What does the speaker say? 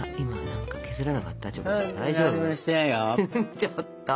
ちょっと。